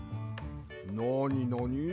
なになに？